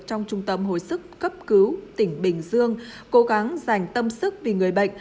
trong trung tâm hồi sức cấp cứu tỉnh bình dương cố gắng dành tâm sức vì người bệnh